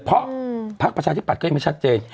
เพราะพักประชาธิบัตย์ก็ยังไม่ชัดเจน